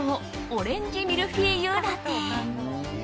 オレンジミルフィーユラテ。